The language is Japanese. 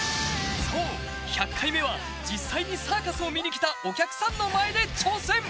そう１００回目は実際にサーカスを見に来たお客さんの前で挑戦。